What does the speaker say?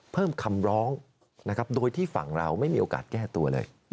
เพิ่มคำร้องโดยที่ฝั่งเราไม่มีโอกาสแก้ตัวเลย